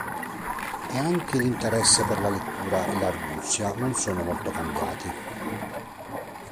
E anche l’interesse per la lettura e l’arguzia non sono molto cambiati.